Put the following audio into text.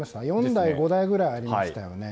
４台、５台ぐらいありましたよね。